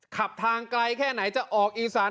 ขับทางไกลแค่ไหนจะออกอีสาน